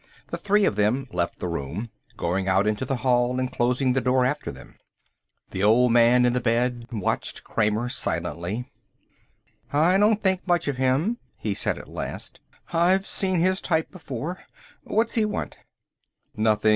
The three of them left the room, going out into the hall and closing the door after them. The old man in the bed watched Kramer silently. "I don't think much of him," he said at last. "I've seen his type before. What's he want?" "Nothing.